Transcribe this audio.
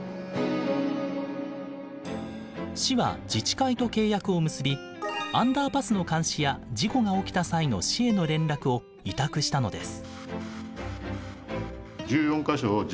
市は自治会と契約を結びアンダーパスの監視や事故が起きた際の市への連絡を委託したのです。